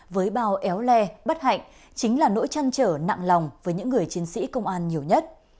với bao éo le bất hạnh chính là nỗi chăn trở nặng lòng với những người chiến sĩ công an nhiều nhất